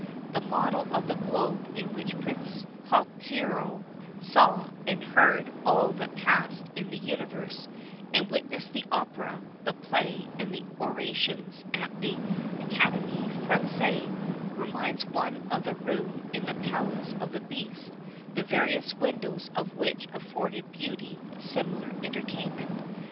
The model of the globe in which Prince Coquerico saw and heard all that passed in the universe, and witnessed the opera, the play, and the orations at the Académie Française, reminds one of the room in the Palace of the Beast, the various windows of which afforded Beauty similar entertainment.